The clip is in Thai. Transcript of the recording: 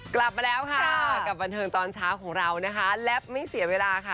กลับมาแล้วค่ะกับบันเทิงตอนเช้าของเรานะคะและไม่เสียเวลาค่ะ